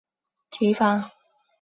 提防